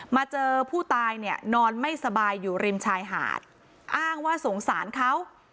เจอผู้ตายเนี่ยนอนไม่สบายอยู่ริมชายหาดอ้างว่าสงสารเขา